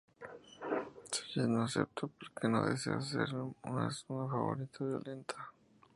Sayid no acepta, porque no desea ser más una persona violenta.